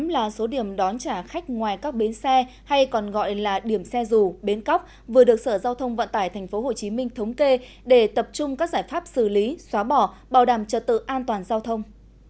một mươi là số điểm đón trả khách ngoài các bến xe hay còn gọi là điểm xe dù bến cóc vừa được sở giao thông vận tải tp hcm thống kê để tập trung các giải pháp xử lý xóa bỏ bảo đảm trật tự an toàn giao thông